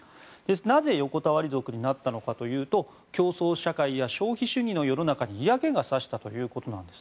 なぜ横たわり族になったのかというと競争社会や消費主義の世の中に嫌気が差したということです。